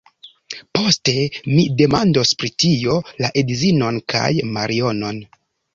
Poste mi demandos pri tio la edzinon kaj Marionon.